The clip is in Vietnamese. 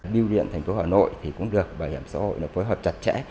biểu điện thành phố hà nội thì cũng được bảo hiểm xã hội phối hợp chặt chẽ